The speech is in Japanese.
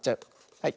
はい。